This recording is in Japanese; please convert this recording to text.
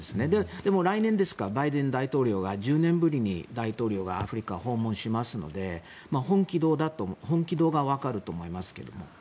でも、来年ですかバイデン大統領が１０年ぶりに大統領がアフリカを訪問しますので本気度がわかると思いますけども。